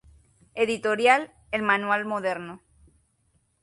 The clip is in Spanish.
Editorial El Manual Moderno.